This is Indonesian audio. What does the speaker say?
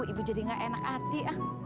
ibu jadi gak enak hati